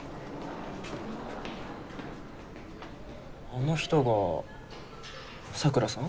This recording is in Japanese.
あの人が佐倉さん？